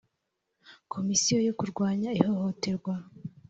komisiyo yo kurwanya ihohoterwa.